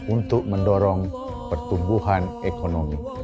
untuk mendorong pertumbuhan ekonomi